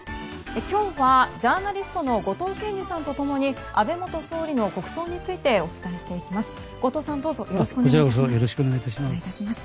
今日はジャーナリストの後藤謙次さんと共に安倍元総理の国葬についてお伝えしていきます。